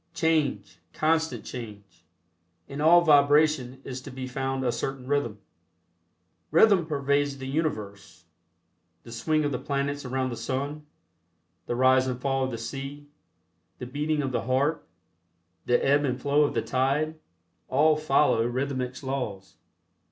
Change, constant change. In all vibration is to be found a certain rhythm. Rhythm pervades the universe. The swing of the planets around the sun; the rise and fall of the sea; the beating of the heart; the ebb and flow of the tide; all follow rhythmics laws.